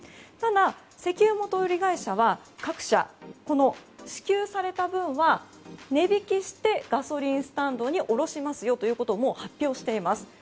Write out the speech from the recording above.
ただ、石油元売り会社は各社、支給された分は値引きしてガソリンスタンドに卸しますよということをもう発表しています。